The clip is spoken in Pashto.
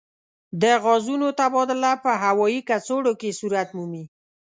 د غازونو تبادله په هوايي کڅوړو کې صورت مومي.